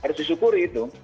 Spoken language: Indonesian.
harus disyukuri itu